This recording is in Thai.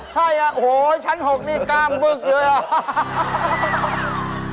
ใช่อ่ะโห้ชั้นหกนี่ก้ามบึกเลยว่ะ